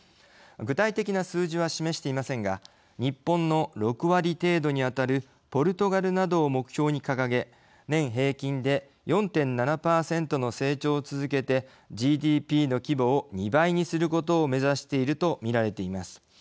具体的な数字は示していませんが日本の６割程度に当たるポルトガルなどを目標に掲げ年平均で４．７％の成長を続けてＧＤＰの規模を２倍にすることを目指しているとみられています。